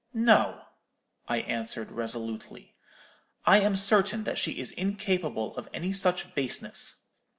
No,' I answered, resolutely; 'I am certain that she is incapable of any such baseness.